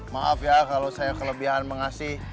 maaf ya kalau saya kelebihan mengasih